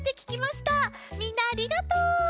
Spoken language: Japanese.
みんなありがとう！